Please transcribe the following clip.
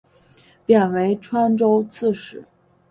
贬为川州刺史。